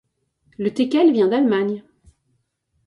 Le teckel vient d'Allemagne.